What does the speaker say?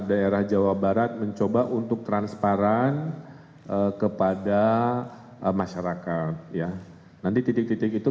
daerah jawa barat mencoba untuk transparan kepada masyarakat ya nanti titik titik itu